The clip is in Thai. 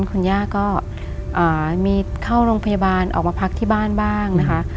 คุณย่าก็มีเข้าโรงพยาบาลออกมาพักที่บ้านบ้างนะคะ